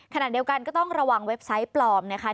ขณะเดียวกันก็ต้องระวังเว็บไซต์ปลอมนะคะ